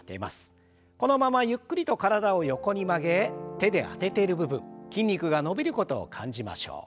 このままゆっくりと体を横に曲げ手であてている部分筋肉が伸びることを感じましょう。